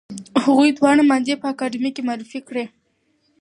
هغوی دواړه مادې په اکاډمۍ کې معرفي کړې.